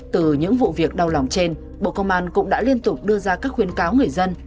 từ những vụ việc đau lòng trên bộ công an cũng đã liên tục đưa ra các khuyên cáo người dân